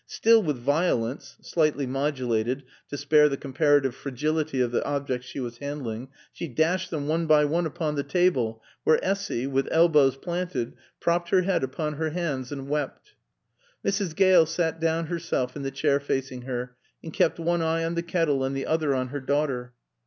Still with violence (slightly modulated to spare the comparative fragility of the objects she was handling) she dashed them one by one upon the table where Essy, with elbows planted, propped her head upon her hands and wept. Mrs. Gale sat down herself in the chair facing her, and kept one eye on the kettle and the other on her daughter.